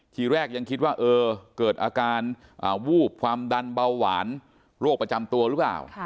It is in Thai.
ทีแรกยังคิดว่าเกิดอาการวูบความดันเบาหวานโรคประจำตัวหรือเปล่า